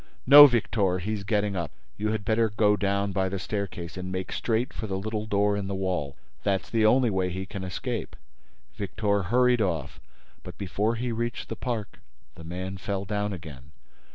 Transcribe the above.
"No, Victor, he's getting up.... You had better go down by the staircase and make straight for the little door in the wall. That's the only way he can escape." Victor hurried off, but, before he reached the park, the man fell down again.